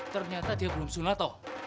ternyata dia belum sunat